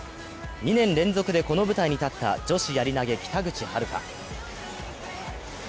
２年連続でこの舞台に立った女子やり投げ、北口榛花。